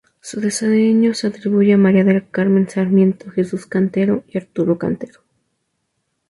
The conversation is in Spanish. Su diseño se atribuye a María del Carmen Sarmiento, Jesús Cantero y Arturo Cantero.